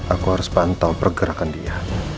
aku harus pantau pergerakan dia